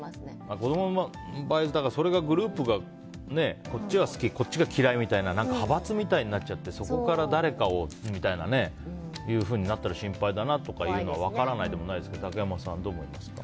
子供の場合それがグループでこっちが好き、こっちが嫌いって派閥みたいになっちゃってそこから誰かをみたいになったら心配だなとかいうのは分からなくもないですが竹山さん、どうですか。